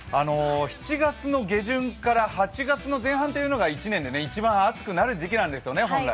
７月の下旬から８月の前半というのが１年で１番熱くなる時期なんですよね。